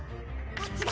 あっちだ！